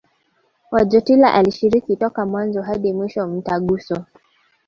Wojtyla alishiriki toka mwanzo hadi mwisho Mtaguso